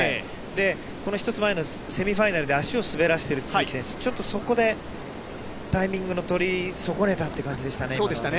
この１つ前のセミファイナルで足を滑らせてる都筑選手、ちょっとそこで、タイミングの取り損ねたっていう感じでしたね、今のはね。